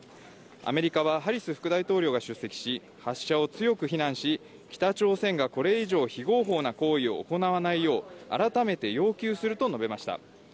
アメリカはハリス副大統領が出席し、発射を強く非難し、北朝鮮がこれ以上非合法な行為を行わないよう、改めて要求すると述べました。